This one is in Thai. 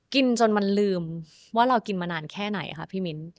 กินจนมันลืมว่าเรากินมานานแค่ไหนคะพี่มิ้น